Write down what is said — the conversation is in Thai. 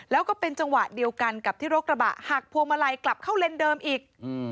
แล้วก็เป็นจังหวะเดียวกันกับที่รถกระบะหักพวงมาลัยกลับเข้าเลนเดิมอีก